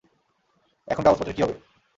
এখন, কাগজপত্রের কি হবে?